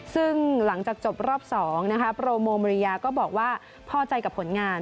ซึ่งหลังจากจบรอบ๒นะคะโปรโมมาริยาก็บอกว่าพอใจกับผลงาน